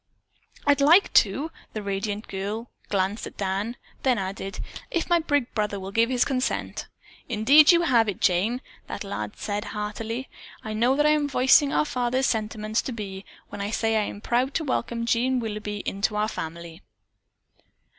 "I'd like to!" The radiant girl glanced at Dan, then added, "If my big brother will give his consent." "Indeed you have it, Jane," that lad said heartily. "I know that I am voicing our father's sentiments to be, when I say that I am proud to welcome Jean Willoughby into our family."